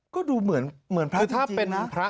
ก็ดูเหมือนพระจริงนะ